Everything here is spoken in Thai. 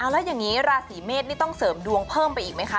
แล้วอย่างนี้ราศีเมษนี่ต้องเสริมดวงเพิ่มไปอีกไหมคะ